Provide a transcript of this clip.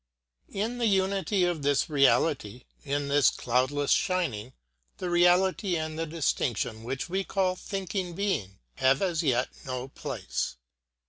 In the unity of this reality, in this cloudless shining, the reality and the distinction which we call thinking being have as yet no place.